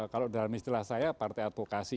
kalau dalam istilah saya partai advokasi